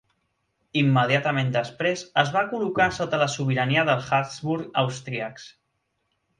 Immediatament després es van col·locar sota la sobirania dels Habsburg austríacs.